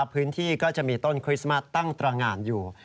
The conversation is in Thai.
พื้นที่ก็จะมีต้นคริสต์มาต์ตั้งตรางานอยู่